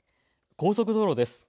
高速道路です。